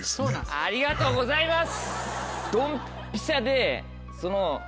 ありがとうございます。